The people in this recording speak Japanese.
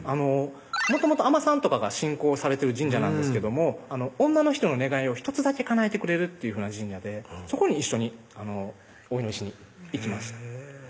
もともと海女さんとかが信仰されてる神社なんですけども女の人の願いを１つだけかなえてくれるっていう神社でそこに一緒にお祈りしに行きました